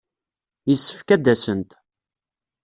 Yessefk ad d-asent.